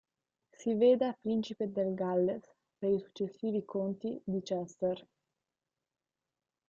Si veda principe del Galles per i successivi conti di Chester.